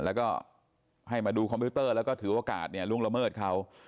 แล้วก็ให้มาดูคอมพิวเตอร์แล้วก็ถือโอกาสล่วงละเมิดเขา